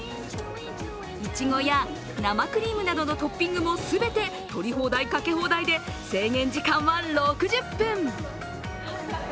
いちごや生クリームなどのトッピングも全て取り放題、かけ放題で制限時間は６０分。